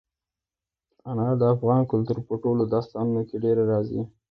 انار د افغان کلتور په ټولو داستانونو کې ډېره راځي.